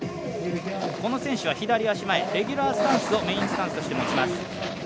この選手は左足前、レギュラースタンスをメインスタンスとして持ちます。